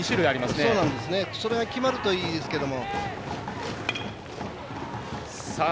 それが決まるといいですけども。